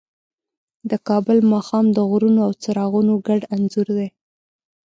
د کابل ماښام د غرونو او څراغونو ګډ انځور دی.